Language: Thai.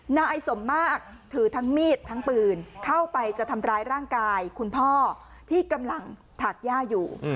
นายสมมากถือทั้งมีดทั้งปืนเข้าไปจะทำร้ายร่างกายคุณพ่อที่กำลังถากย่าอยู่